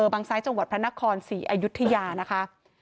บางซ้ายจังหวัดพระนคร๔อายุทยานะคะ